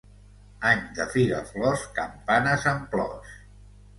Any de figaflors, campanes amb plors.